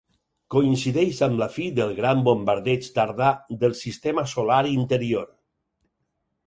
Coincideix amb la fi del gran bombardeig tardà del sistema solar interior.